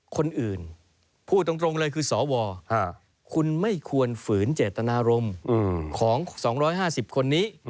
คนอื่นพูดตรงเลยคือสวคุณไม่ควรฝืนเจตนารมณ์ของ๒๕๐คนนี้